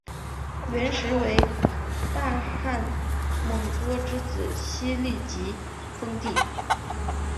元时为大汗蒙哥之子昔里吉封地。